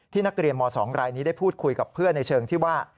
นักเรียนม๒รายนี้ได้พูดคุยกับเพื่อนในเชิงที่ว่า